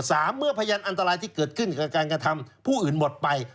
เมื่อพยานอันตรายที่เกิดขึ้นกับการกระทำผู้อื่นหมดไป